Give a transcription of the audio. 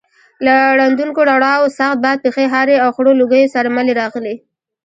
له ړندونکو رڼاوو، سخت باد، پښې هارې او خړو لوګیو سره ملې راغلې.